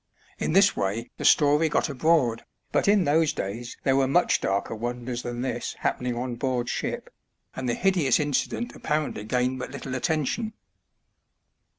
In this way the story got abroad, but in those days there were much darker wonders than this happening on board ship, and the hideous incident apparently gained but little attention.